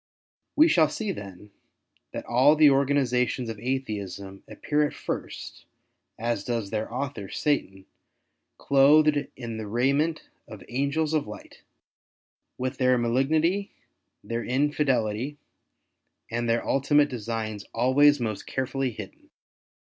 We shall see then, that all the organizations of Atheism appear at first as does their author, Satan, clothed in the raiment of angels of light, with their malignity, their Infidelity, and their ultimate designs always most carefully hidden.